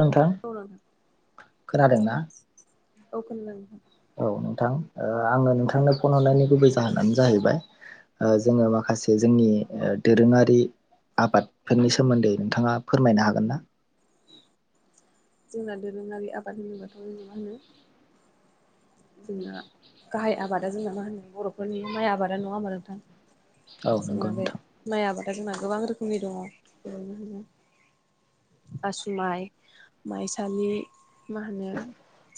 नोंथां खोनादों ना अ खोनादों नोंथां औ नोंथां आङो नोंथांनो फन हरनायनि गुबै जाहोनानो जाहैबाय ओ जोङो माखासे जोंनि दोरोङारि आबादफोरनि सोमोन्दै नोंथाङा फोरमायनो हागोन ना जोंना दोरोङारि आबाद होनोबाथ' जों मा होनो जोंना गाहाय आबादा जोंना मा होनो बर'फोरनि माइ आबादा नङा होमबा नोंथां औ नंगौ जोंना बे नोंथां माइ आबादा जोंना गोबां रोखोमनि दङ बेनो होनो आसुमाइ माइसालि मा होनो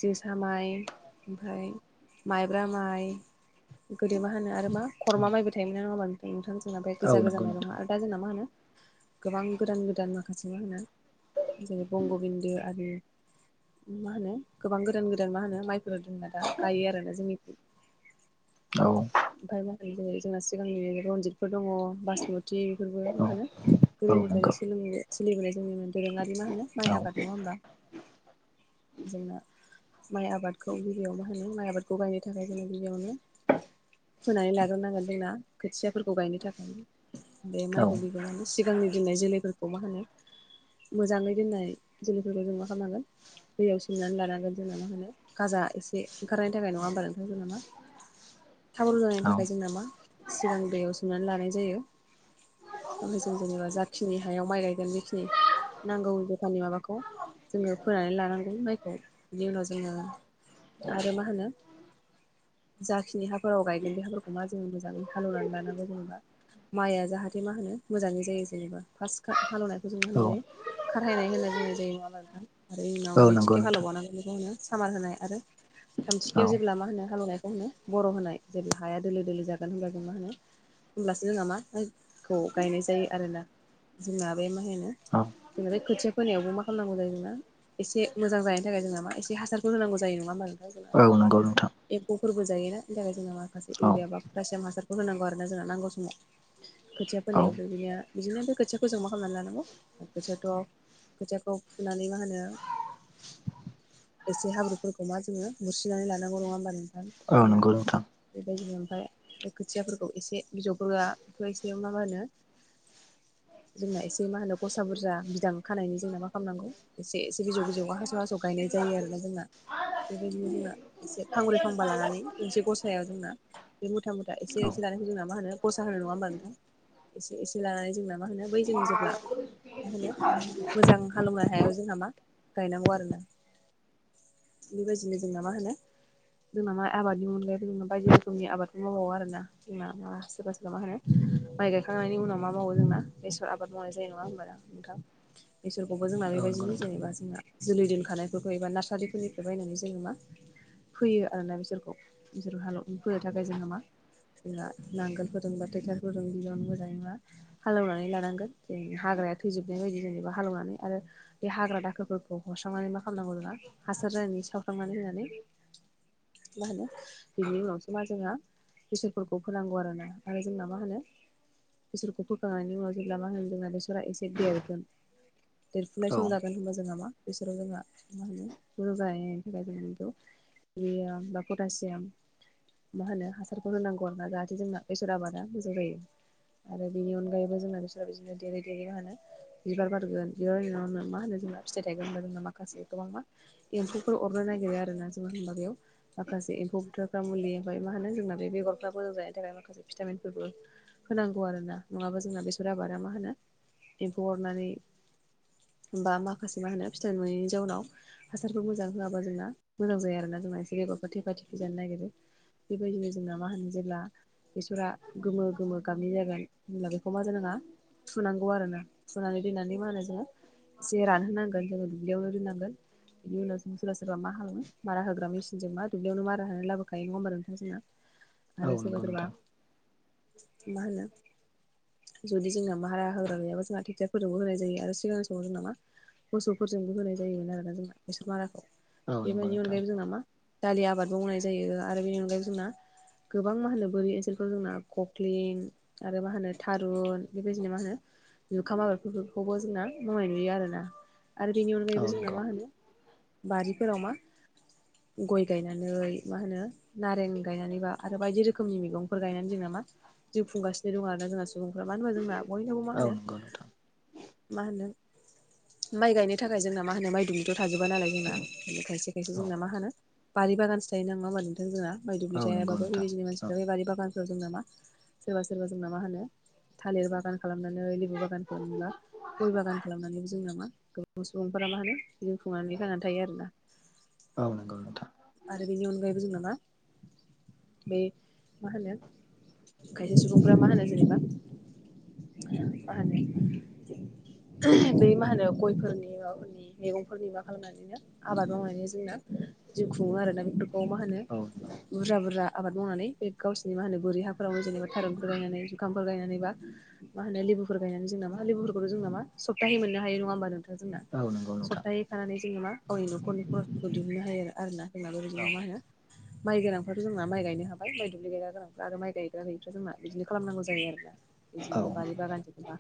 जोसा माइ ओमफ्राय माइब्रा माइ गोदो मा होनो आरो मा खरमा माइबो थायोना ओमफ्राय नोंथां जोंहा बे औ गोजा गोजा नंगौ माइरंआ नोंथां आरो दा जोंना मा होनो गोबां गोदान गोदान माखासे मा होनो जेरै बंग'बिन्द आरो मा होनो गोबां गोदान गोदान मा होनो माइ जोंना दा गायो आरोना जोंनिथिं औ ओमफ्राय मा होनो जेरै जोंना सिगांनि रनजितफोर दङ बासमुथि बेफोरबो मा औ होनो औ गोदोनिफ्रायनो नंगौ सोलों सोलिबोनाय जोंनि दोरोङारि मा होनो माइ औ आबाद नङा होमबा जोंना माइ आबादखौ गिबियावनो होनो माइ आबादखौ गायनो थाखाय जोङो गिबियावनो फोनानै लाग्रोनांगोन जोंना खोथियाफोरखौ गायनो थाखाय बे औ माइखौ बिबाङानो सिगांनि दोननाय जोलैफोरखौ मा होनो मोजाङै दोननाय जोलैफोरखौ जों मा खालामनांगोन दैयाव सोमनानै लानांगोन जोंना मा होनो गाजा एसे ओंखारनायनि थाखाय नङा होमबा नोंथां जोंना मा थाब जानायनि औ थाखाय जोंना मा सिगां दैयाव सोमनानै लानाय जायो ओमफ्राय जों जेनेबा जाखिनि हायाव माइ गायगोन बेखिनि नांगौ जखाननि माबाखौ जोङो फोनानै लानांगौ माइखौ बिनि उनाव जोङो आरो मा होनो जाखिनि हाफोराव गायगोन बे हाफोरखौ मा जों मोजाङै हालेनानै लानांगौ जेनेबा माइआ जाहाथे मा होनो मोजाङै जायो जेनेबा फार्स्ट हालेवनायखौ जों मा होनो जायो खारहायनाय होननाय बुंनाय जायो नङा होमबा नोंथां आरो उनाव औ नंगौ नैथिखेब हालाव नोंथां एवबनांगोन बेखौ होनो सामार होनाय आरो औ थामथिखेब जेब्ला मा होनो हालेवनायखौ होनो बर' होनाय जेब्ला हाया दोलो दोलो जागोन होमब्ला जों मा होनो होमब्लासो जोंहा मा खौ गायनाय जायो आरोना जोंना बे मा होनो अ जोंना बे खोथिया फोनायावबो मा खालामनांगौ जायो जोंना एसे मोजां जानायनि थाखाय जोंना मा एसे हासारखौ होनांगौ जायो नङा होनोमा नोंथां जोंना औ नङाबा नंगौ नोंथां एम्फौफोरबो जायोना बेनि थाखाय जोंना माखासे एरिया औ बा लासियम हासारखौ होनांगौ आरो ना जोंना नांगौ समाव खोथिया औ फोनायावबो बिदिनो बिदिनो खोथियाखौ जों मा खालामनानै लानांगौ खोथियाथ' खोथियाखौ फुनानै मा होनो एसे हाब्रु फोरखौ मा जोङो बुसि्रिनानै लानांगौ नङा होमबा नोंथां औ जोंना नंगौ नोंथां बेबायदिनो ओमफ्राय खोथियाफोरखौ एसे बिजौफोराआथ' एसे मा मा होनो? जोंना एसे मा होनो दसा बुरजा बिदां खानायनि जोंना मा खालामनांगौ एसे एसे बिजौ बिजौ हास' हास' गायनाय जायो आरो जोंना बेबायदिनो जोंहा एसे फांब्रै फांबा लानानै मोनसे गसायाव जोंना बे मुथा मुथा एसे एसे लानायखौ जोंना मा होनो गससा होनो नङा होमबा नोंथां? एसे एसे लानानै जोंना मा होनो बै जों जेब्ला मा होनो मोजां हालेवनो हायाव जोंहा मा गायनांगौ आरो ना। बेबायदिनो जोंना मा होनो जोंना मा आबादनि अनगायैबो जों बायदि रोखोमनि आबादखौ मावबावो आरोना। जोंना माबा सोरबा सोरबा मा होनो माइ गायखांनायनि उनाव मा मावो जोंना बेसर आबाद मावनाय जानाय नङा होनोमबा नोंथां बेसरखौबो जोंना बेबायदिनो जेनेबा जोंना जोलै दोनखानायफोरखौ एबा नार्सारिफोरनिफ्राय बायनानै जोङो मा फैयो आरोना बिसोरखौ जसर हाल फोनो थाखाय जोङो मा जोंहा नांगोल फोरोंबा टटार फोरों बिबनो मोजानाय नङा हालेवनानै लानांगोन ज हाग्राया थैजोबनाय बायदि जेनेबा हालेवनानै आरो बे हाग्रा दाखोरफोरखौ हस्रांनानै मा खालामनांगौ नङा हासार होनायनानै सावस्रांनानै होननानै मा होनो बिनि उनावसो मा जोंहा टिसोरफोरखौ फांगौ आरोना आरो जोंना मा होनो? बिसोरखौ फोखांनायनि उनाव जेब्ला मा होनो? बिसा एसे देरगोन देरफुनाय औ सम जागोन होनबा जोंहा मा बिसोराव जोंहा मा होनो? ज जायनि थाखाय जों इउरियाम बा पटसियाम मा होनो हासारखौ होनांगौ आर ना जाहाथे जोंना बेसर आबादा मोजां जायो। आरो बेनि अनगायैबो जोंना बिसोर बिदिनो देरै देरहैनो हानो बिबार बारगोन बिबनावनो मा होनो जोंना फिथाइ थायगोन होनबा जोंना माखासे गोबां मा एम्फौफोर अरनो नागिरबाय आरो ना जों होनोमबा बेयाव माखासे एमफौ बोथारफ्रा मुलि ओमफ्राय मा होनो जोंना बेगरफ्रा मोजां जानायनि थाखाय माखासे भिटामिनफोरबो होनांगौ आरोोना नङाबा जोंना बेसर आबादा मा होनो एम्फौ अरनानै बा माखासे मा होनो फिथाइ नुयैनि जाउनाव हासारखौ मोजां होआा जोंना मोजां जायोोन ना जोंना एसे गेबावफोर थेफा थेफै जानो नागिरो। बेबायदिनो जोंना मा होनो जेब्ला बेसरा गोमो गोमो गाबनि जागोन होनब्ला बेखौ मा जानाङा थुनांगौ आरोना। फुनानै दोननानै मा होनो जोङो एसे रानहोनांगोन जोङो दुब्लियावनो दोननांगोन। बिनि उनाव जों सोरबा सोरबा खालामो मारा होग्रा मेसिनजों मा दुब्लियावनो मारा होनो लाबोखायो नङा होनबा नोंथां जोंना औ आरो सोरबा नंगौ सोरबा नोंथां मा होनो? जुदि जोंना मारा हाग्रा गैयाबा जोंहा टेक्टारफोरजोंबो होनाय जायो आरो सिगांनि समाव जोंना मा? मोसौफोरजोंबो होनाय जायोमोन आरोना जोंना बेसोर माराखौ औ नंगौ नोंथां औ नंगौ बेबायनि नोंथां अनगायैबो जोंना मा? दालि आबाद मावनाय जायो आरो बेनि अनगायै जोंना। गोबां मा होनो बोरि ओनसोलखौ जोंना ककलिं आरो मा होनो थारुन बेबायदिनो मा होनो? ओखाम आबादफोरखौबो जोंना मावनाय नुयो आरोना आरो बेनि औ अनगायैबो जोंना नंगौ मा होनो? बारिफोराव मा गय गायनानै मा होनो? नारें गायनानैबा आरो बायदि रोखोमनि मैगंफोर गायनानै जोंना मा? जिउ खुंगासिनो दं आरो ना जोंना सुबुंफोरा मानो होनबा जोंना बयनावबो मा औ होनो? नंगौ नोंथां मा होनो माइ गायनो थाखाय जोंना मा होनो माइ दुमनिथ' थाजोबा नालाय जोंना बेनिखायसो बेखाय औ जोंना मा होन बारि बागान थायो नङा मा नोंथों जोंना माइ औ दुब्लि नंगौ थायाबाबो नोंथां बेबायदिनो मान औ बेबदि बागानफोराव जोंना मा सोरबा सोरबा जोंना मा होनो? थालिर बागान खालामनानै लेबु बागान खालामबा गय बागान खालामनानैबो जों नामा गोबां सुबुंफोरा मा होनो? जिउ खुंनानै खांनानै थायो आरोना। औ नंगौ नोंथां आरो बेनि अनगायैबो जों नामा बे मा होनो खायसे सुबुंफोरा मा होनो जेनेबा मा होनो बै मा होनो गयफोरनि माबाफोरनि मैगंफोरनि मा खालामनानैनो आबाद मावनानै जोंना जिउ खुङो आरोना बेफोरखौ मा होनो औ बुरजा बुरजा आबाद मावनानै बे गावसिरनि मा होनो बोरै हाफोरावनो जेनेबा थारुनफोर गायनानै जुखामफोर गायनानै बा मा होनो लेबुफोर गायनानै जों नामा लेबुफोरखौ जों नामा सप्ताहै मोननो हायो नङा होमबा नोंथां जोंना औ नंगौ नोंथां सप्ताहै खानानै जोङो मा गावनि न'खरनि खरसफोरखौ दिहुननो हायो आरो आरोना होनाब औ जङो मा होनो माइ गोनांफ्राथ' जोंना माइ गायनो हाबाय माइ दुब्लि गायग्रा गोनांफ्रा आरो माइ गायग्रा गैयिफ्रा जोंना बिदिनो खालामनांगौ जायो आरोना औ बिदिनो बारि बागान जेनबा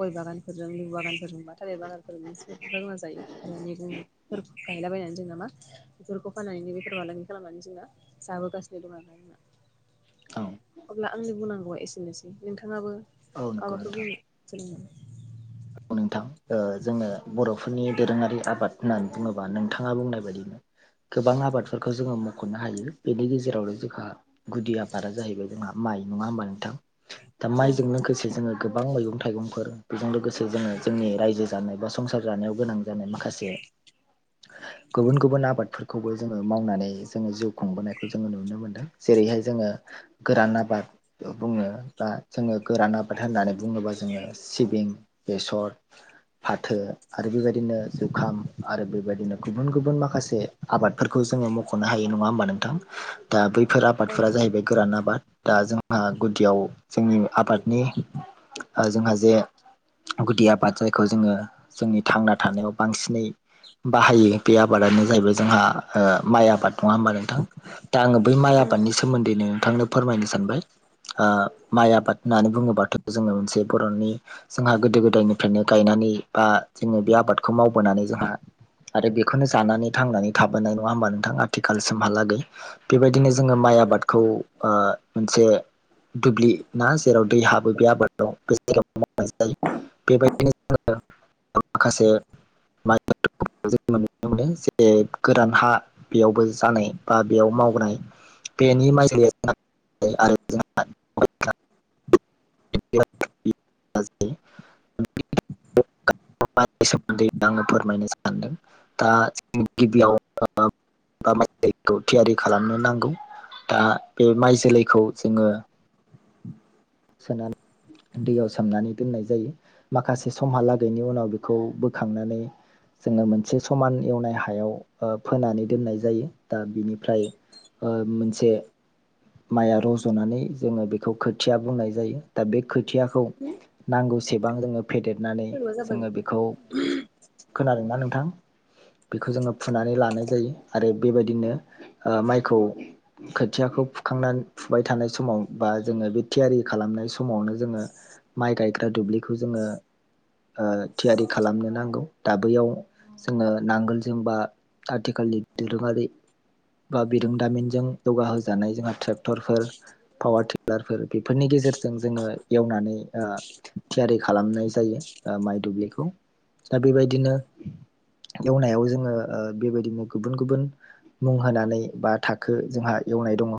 गय बागानफोरजों ल बागानफोरजोंबा थाल बागानफोर मोन रोङा जायो आरो मैगंफोर गायलाबायनानै जों नामा बेफोरखौ फानानैनो बेफोर फालांगि खालामनानै जोंना जाबोगासिनो दं आरा जोंना औ अब्ला आंनि बुंनांगौआ एसेनोसै नोंथाङाबो औ नंगौ माबाफोर नोंथां बुंनो जों नोंथां जोङो बर'फोरनि दोरोङारि आबाद होननानै बुङोबा नोंथाङा बुंनाय बायदिनो गोबां आबादफोरखौ जोङो मख'नो हायो बेनि गेजेरावनो जोंहा गुदि आबादा जाहैबाय जोंहा माइ नङा होमबा नोंथां दा माइजों उम लोगोसे जोङो गोबां मैगं थाइगंफोर बेजों लोगोसे जोङो जोंनि रायजो जानाय बा संसार जानायाव गोनां जानाय माखासे [inaudible] गुबुन गुबुन आबादफोरखौबो जोङो मावनानै जोङो जिउ खुंबोनायखौ जोङो नुनो मोनदों जेरैहाय जोङो गोरान आबाद बुङो बा जोङो गोरान आबाद होननानै बुङोबा जोङो सिबिं बेसर फाथो आरो बेबायदिनो जुखाम आरो बेबायदिनो गुबुन गुबुन माखासे आबादफोरखौ जोङो मख बख'नो हायो नङा होमबा नोंथां दा बैफोर आबादफोरा जाहैबाय गोरान आबाद दा जोंहा गुदियाव जोंनि आबादनि जोंहा जे गुदि आबाद बेखौ जोङो जोंनि थांना थानायाव बांसिनै बाहायो बे आबादानो जाहैबाय जोंहा ओ माइ आबाद नङा ओमबा नोंथां दा आङो बै माइ आबादनि सोमोन्दैनो नोंथांनो फोरमायनो सानबाय ओ माइ आबाद होननानै बुङोबाथ' जोङो मोनसे बर'नि जोंहा गोदो गोदायनिफ्रायनो गायनानै बा जोङो बे आबादखौ मावबोनानै जोंहा आरो बेखौनो जानानै थांनानै थाबोनाय नङा होमबा नोंथां आथिखालसिमहालागै बेबायदिनो जोङो माइ आबादखौ ओ मोनसे दुब्लि ना जेराव दै हाबो बे आबादाव बे जायग मावनाय जायो बेबायदिनो माखासे माइ जों नुनो मोनो जे गोरान हा बेयावबो जानाय बा बेयाव मावनाय बेनि माइ आरो [inaudible] सोमोन्दै आङो फोरमायनो सानदों दा जों गिबियावखौ थियारि खालामनो नांगौ दा बे माइ जोलैखौ जोङो सोनानै दैयाव सोमनानै दोननाय जायो माखासे समहालागैनि उनाव बेखौ बोखांनानै जोङो मोनसे समान एवनाय हायाव ओ फोनानै दोननाय जायो दा बिनिफ्राय ओ मोनसे माइआ रज'नानै जोङो बेखौ खोथिया बुंनाय जायो दा बे खोथियाखौ उम नांगौ सेबां जोङो फेदेरनानै होनबा जोङो जाबाय बेखौ खोनादों ना नोंथां बेखौ जोङो फुनानै लानाय जायो आरो बेबायदिनो ओ माइखौ खोथियाखौ फुखांनानै फुबाय थानाय समाव बा जोङो बे थियारि खालामनाय समावनो जोङो माइ गायग्रा दुब्लिखौ जोङो ओ थियारि खालामनो नांगौ दा बैयाव जोङो नांगोलजोंबा आथिखालनि दोरोङारि बा बिरोंदामिनजों जौगा होजानाय जोंहा ट्रेक्टरफोर पावार टिलारफोर बेफोरनि गेजेरजों जोङो एवनानै ओ थियारि खालामनाय जायो ओ माइ दुब्लिखौ दा बेबायदिनो एवनायाव जोङो ओ बेबायदिनो गुबुन गुबुन मुं होनानै बा थाखो जोंहा एवनाय दङ।